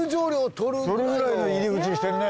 取るくらいの入り口にしてるね。